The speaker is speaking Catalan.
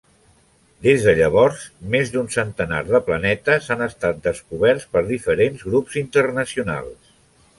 Des de llavors, més d'un centenar de planetes han estat descoberts per diferents grups internacionals.